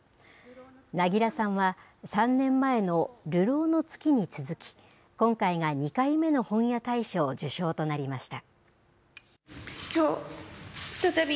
凪良さんは３年前の流浪の月に続き、今回が２回目の本屋大賞受賞となりました。